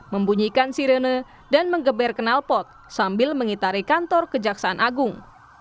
membunyikan sirene dan mengeber kenal pot sambil mengitari kantor ke jaksa agung